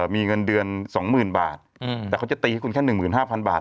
มีเงินเดือน๒๐๐๐บาทแต่เขาจะตีให้คุณแค่๑๕๐๐บาท